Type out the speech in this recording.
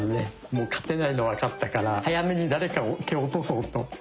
もう勝てないの分かったから早めに誰かを蹴落とそうと。